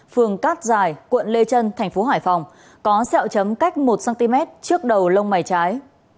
phường cát giải quận lê trân thành phố hải phòng có xeo chấm cách một cm trước đầu lông mày trái